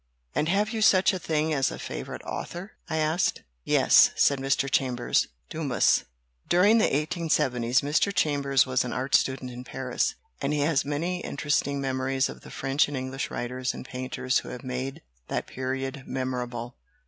"And have you such a thing as a favorite author?" I asked. "Yes," said Mr. Chambers. "Dumas." During the 1870*5 Mr. Chambers was an art 82 WHAT IS GENIUS? student in Paris, and he has many interesting memories of the French and English writers and painters who have made that period memorable.